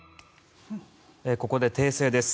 ここで訂正です。